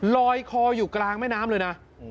ลอยคออยู่กลางแม่น้ำเลยนะ